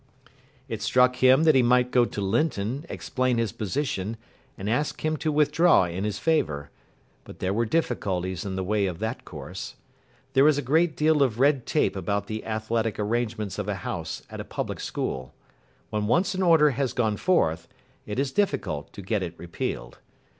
It struck him that he might go to Linton, explain his position, and ask him to withdraw in his favour, but there were difficulties in the way of that course. There is a great deal of red tape about the athletic arrangements of a house at a public school. When once an order has gone forth, it is difficult to get it repealed.